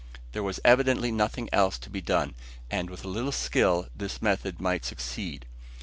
There was evidently nothing else to be done, and, with a little skill, this method might succeed.